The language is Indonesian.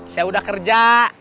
saya udah kerja